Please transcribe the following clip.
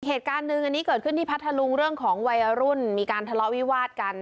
เหตุการณ์หนึ่งอันนี้เกิดขึ้นที่พัทธลุงเรื่องของวัยรุ่นมีการทะเลาะวิวาดกัน